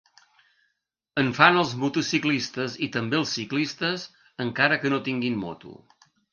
En fan els motociclistes i també els ciclistes, encara que no tinguin moto.